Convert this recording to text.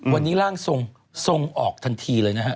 วันนี้ร่างทรงทรงออกทันทีเลยนะฮะ